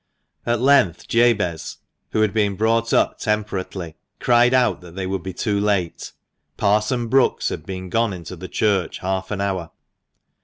At length Jabez, who had been brought up temperately, cried out they would be too late — Parson Brookes had been gone into the church half an hour.